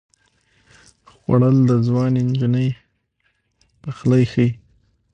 خوړل د ځوانې نجونې پخلی ښيي